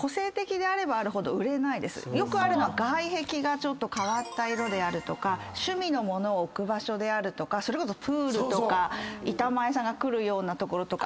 よくあるのは外壁がちょっと変わった色であるとか趣味の物を置く場所であるとかそれこそプールとか板前さんが来るような所とか。